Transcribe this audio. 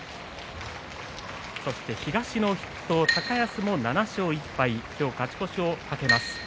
そして東の筆頭高安も７勝１敗今日勝ち越しを懸けます。